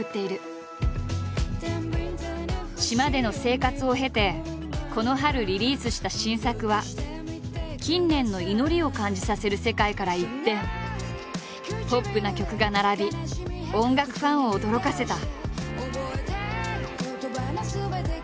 島での生活を経てこの春リリースした新作は近年の祈りを感じさせる世界から一転ポップな曲が並び音楽ファンを驚かせた。